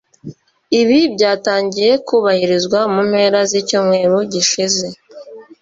Ibi byatangiye kubahirizwa mu mpera z’icyumweru gishize